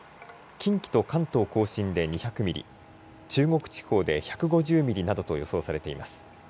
近畿と関東甲信で２００ミリ中国地方で１５０ミリなどと予想されています。